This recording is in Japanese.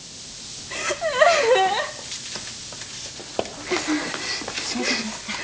お母さん大丈夫ですか？